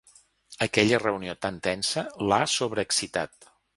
Aquella reunió tan tensa l'ha sobreexcitat.